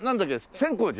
千光寺！